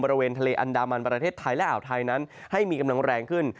บริเวณทะเลอันดามันประเทศไทยและอ่าวไทยนั้นให้มีกำลังแรงขึ้น